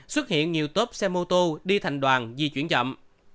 xuất hiện nhiều tốp xe mô tô đi thành đoàn di chuyển chậm